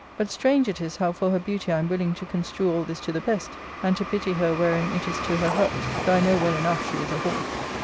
But strange it is how for her beauty I am willing to construe all this to the best and to pity her wherein it is to her hurt, though I know well enough she is a whore.